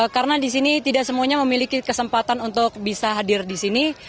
karena di sini tidak semuanya memiliki kesempatan untuk bisa hadir di sini